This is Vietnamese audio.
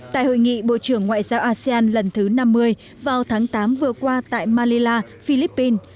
tại hội nghị bộ trưởng ngoại giao asean lần thứ năm mươi vào tháng tám vừa qua tại manila philippines